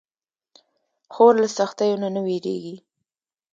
خور له سختیو نه نه وېریږي.